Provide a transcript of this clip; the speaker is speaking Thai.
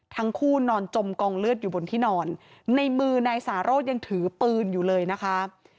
นอนจมกองเลือดอยู่บนที่นอนในมือนายสาโรธยังถือปืนอยู่เลยนะคะ